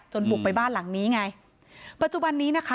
บุกไปบ้านหลังนี้ไงปัจจุบันนี้นะคะ